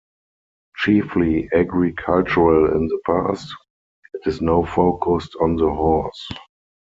Chiefly agricultural in the past, it is now focused on the horse.